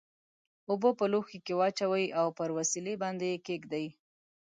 اوبه په لوښي کې واچوئ او پر وسیلې باندې یې کیږدئ.